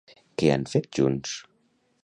Què han fet junts?